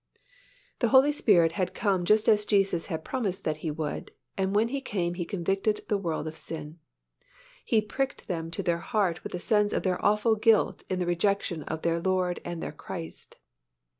The Holy Spirit had come just as Jesus had promised that He would and when He came He convicted the world of sin: He pricked them to their heart with a sense of their awful guilt in the rejection of their Lord and their Christ.